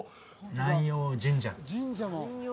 南洋神社？